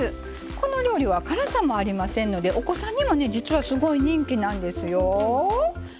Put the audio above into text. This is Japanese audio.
この料理は辛さもありませんのでお子さんにもね実はすごい人気なんですよ。